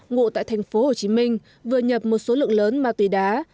ngụ tại tp hcm vừa nhập một số lượng lớn ma túy đá